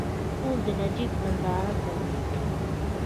ټول د نجیب ننداره کوي.